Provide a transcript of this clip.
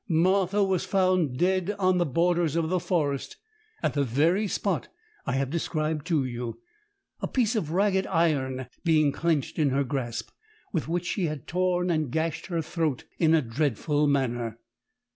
Martha was found dead on the borders of the forest, at the very spot I have described to you, a piece of ragged iron being clenched in her grasp, with which she had torn and gashed her throat in a dreadful manner.